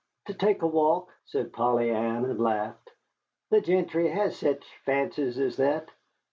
"To take a walk," said Polly Ann, and laughed. "The gentry has sech fancies as that.